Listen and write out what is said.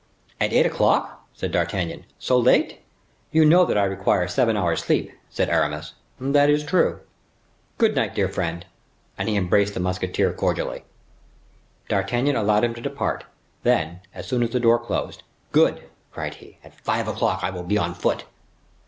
"At eight o'clock!" said D'Artagnan; "so late?" "You know that I require seven hours' sleep," said Aramis. "That is true." "Good night, dear friend!" And he embraced the musketeer cordially. D'Artagnan allowed him to depart; then, as soon as the door closed, "Good!" cried he, "at five o'clock I will be on foot."